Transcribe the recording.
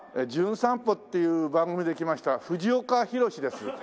『じゅん散歩』っていう番組で来ました「藤岡弘、」です。